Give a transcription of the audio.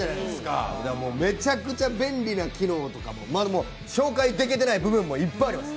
めちゃくちゃ便利な機能とかも、まだ紹介できてない部分、いっぱいあります。